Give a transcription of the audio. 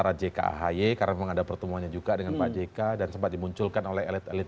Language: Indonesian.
pak jk ahaye karena menghadap pertemuannya juga dengan pak jk dan sempat dimunculkan oleh elit elit